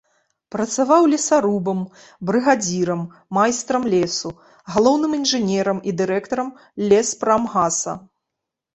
Працаваў лесарубам, брыгадзірам, майстрам лесу, галоўным інжынерам і дырэктарам леспрамгаса.